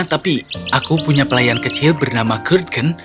tapi aku punya pelayan kecil bernama girtcon